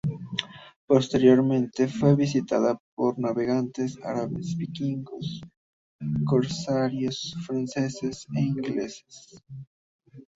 Posteriormente fue visitada por navegantes árabes, vikingos, corsarios franceses e ingleses.